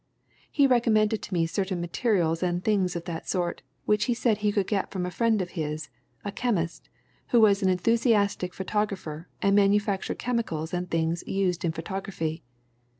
He recommended to me certain materials and things of that sort which he said he could get from a friend of his, a chemist, who was an enthusiastic photographer and manufactured chemicals and things used in photography.